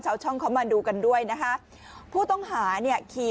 ช่องเขามาดูกันด้วยนะคะผู้ต้องหาเนี่ยขี่